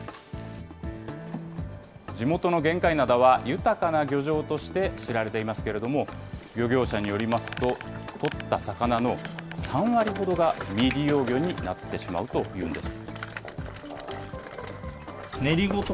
地元の玄界灘は豊かな漁場として知られていますけれども、漁業者によりますと、取った魚の３割ほどが未利用魚になってしまうというんです。